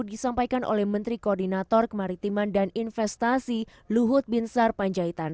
disampaikan oleh menteri koordinator kemaritiman dan investasi luhut binsar panjaitan